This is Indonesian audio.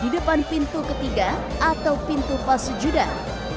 di depan pintu ketiga atau pintu pasujudan